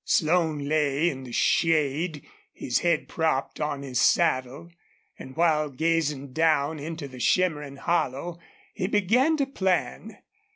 Slone lay in the shade, his head propped on his saddle, and while gazing down into the shimmering hollow he began to plan.